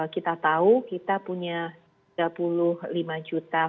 kita tahu kita punya tiga puluh lima juta vaksin dalam bentuk vaksin